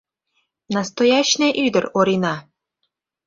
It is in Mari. Настоящне ӱдыр — Орина!